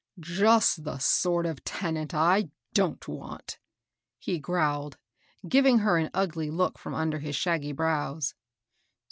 " Just the sort of tenant I don't want," he growled, giving her an ugly look from under his shaggy brows.